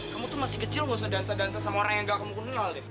kamu tuh masih kecil gak usah dansa dansa sama orang yang gak kamu kenal deh